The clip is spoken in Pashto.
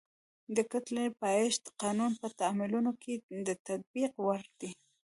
د کتلې د پایښت قانون په تعاملونو کې د تطبیق وړ دی.